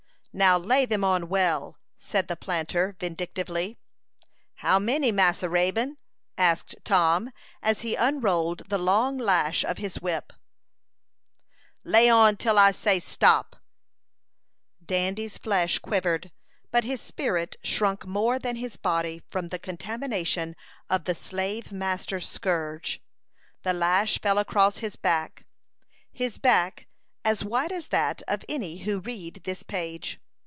"Now, lay them on well," said the planter, vindictively. "How many, Massa Raybone?" asked Tom, as he unrolled the long lash of his whip. [Illustration: THE TRAGEDY AT THE DEAD OAK. Page 58.] "Lay on till I say stop." Dandy's flesh quivered, but his spirit shrunk more than his body from the contamination of the slave master's scourge. The lash fell across his back his back, as white as that of any who read this page.